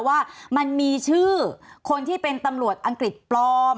ว่ามันมีชื่อคนที่เป็นตำรวจอังกฤษปลอม